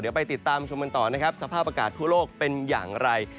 เดี๋ยวไปติดตามชมกันต่อนะครับสภาพอากาศทั่วโลกเป็นอย่างไร